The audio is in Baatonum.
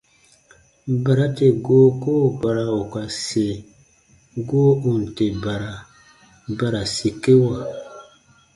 Bara tè goo koo bara ù ka se, goo ù n tè bara, ba ra sikewa.